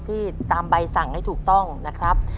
ที่ตามใบสั่งให้ถูกต้องนะครับ